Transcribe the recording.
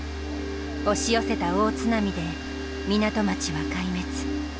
押し寄せた大津波で港町は壊滅。